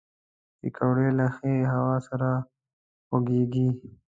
پکورې له ښې هوا سره خوږېږي